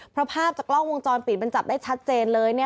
เพราะภาพจากกล้องวงจรปิดมันจับได้ชัดเจนเลย